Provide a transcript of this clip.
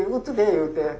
言うて。